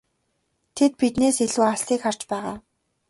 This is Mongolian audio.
Тэд биднээс илүү алсыг харж байгаа.